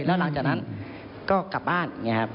แล้วหลังจากนั้นก็กลับบ้าน